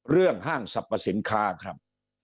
ห้างสรรพสินค้าครับ